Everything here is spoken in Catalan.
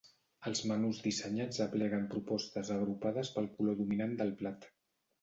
Els menús dissenyats apleguen propostes agrupades pel color dominant del plat.